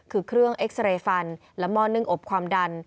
คือเครื่องเอ็กซาเรย์ฟันและหม้อนึ่งอบความดัน